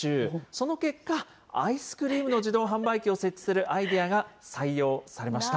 その結果、アイスクリームの自動販売機を設置するアイデアが採用されました。